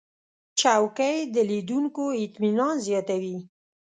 چوکۍ د لیدونکو اطمینان زیاتوي.